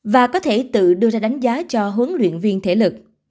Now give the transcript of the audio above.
và có thể tự đưa ra đánh giá cho huấn luyện viên thể lực